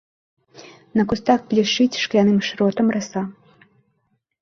На кустах блішчыць шкляным шротам раса.